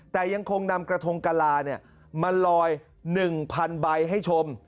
แต่ยังคงนำกระทงกะลามาลอย๑๐๐๐ใบให้ชม